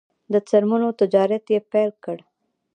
د څرمنو تجارت یې پیل کړ.